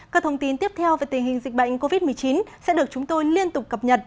các thông tin tiếp theo về tình hình dịch bệnh covid một mươi chín sẽ được chúng tôi liên tục cập nhật